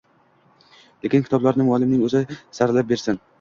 Lekin kitoblarni muallimning o`zi saralab bersin